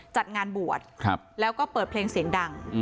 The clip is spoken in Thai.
จัดงานบวชแล้วก็เปิดเพลงเสียงดัง